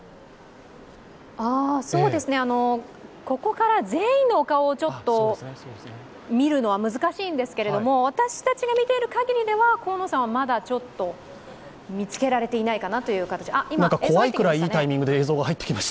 ここから全員のお顔を見るのは難しいんですけれども、私たちが見ている限りでは、河野さんはまだ見つけられていないかなという感じです。